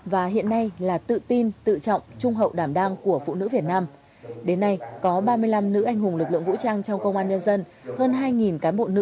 và hiện nay là tự tin tự trọng trung hậu đảm đang của phụ nữ việt nam